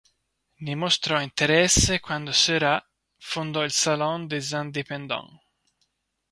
Né mostrò interesse quando Seurat fondò il Salon des Indépendants.